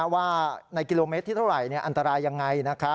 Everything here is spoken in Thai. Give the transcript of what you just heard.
ว่าในกิโลเมตรที่เท่าไหร่อันตรายยังไง